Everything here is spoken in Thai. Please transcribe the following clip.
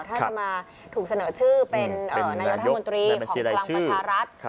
ถ้าจะมาถูกเสนอชื่อเป็นนายกรัฐมนตรีของพลังประชารัฐ